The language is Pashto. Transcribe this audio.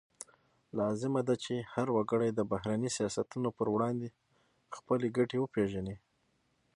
لازمه ده چې هر وګړی د بهرني سیاستونو پر وړاندې خپلې ګټې وپیژني